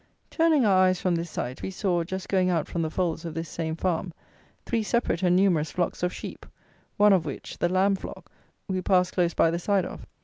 Turning our eyes from this sight, we saw, just going out from the folds of this same farm, three separate and numerous flocks of sheep, one of which (the lamb flock) we passed close by the side of.